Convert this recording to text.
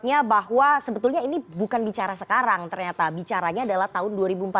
artinya bahwa sebetulnya ini bukan bicara sekarang ternyata bicaranya adalah tahun dua ribu empat belas